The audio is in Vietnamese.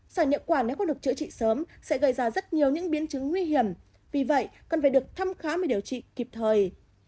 sỏi nhậu quả nếu không được chữa trị sớm sẽ gây ra rất nhiều những biến chứng nguy hiểm vì vậy cần phải được thăm khám và điều trị kịp thời